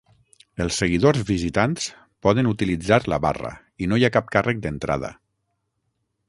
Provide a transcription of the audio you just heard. Els seguidors visitants poden utilitzar la barra i no hi ha cap càrrec d'entrada.